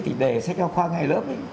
thì để sách học khoa ngay lớp ấy